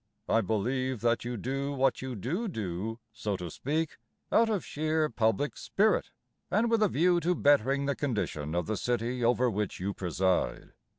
I believe that you do what you do do, so to speak, Out of sheer public spirit And with a view to bettering the condition Of the city over which you preside.